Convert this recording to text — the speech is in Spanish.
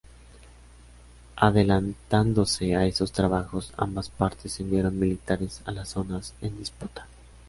Adelantándose a esos trabajos, ambas partes enviaron militares a las zonas en disputa.